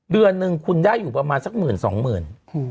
เดือนหนึ่งคุณได้อยู่ประมาณสักหมื่นสองหมื่น